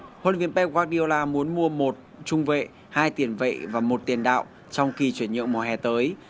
huấn luyện viên peardiola muốn mua một trung vệ hai tiền vệ và một tiền đạo trong kỳ chuyển nhượng mùa hè tới